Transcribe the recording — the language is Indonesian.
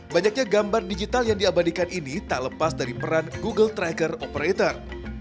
banyaknya gambar digital yang diabadikan ini tak lepas dari peran google tracker operator